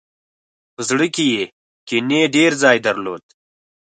په زړه کې یې کینې ډېر ځای درلود.